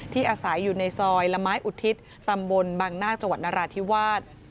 อาศัยอยู่ในซอยละไม้อุทิศตำบลบังนาคจังหวัดนราธิวาส